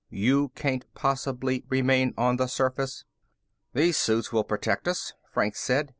You can't possibly remain on the surface." "These suits will protect us," Franks said.